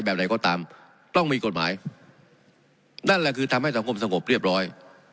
แบบไหนก็ตามต้องมีกฎหมายนั่นแหละคือทำให้สังคมสงบเรียบร้อย